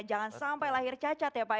jangan sampai lahir cacat ya pak ya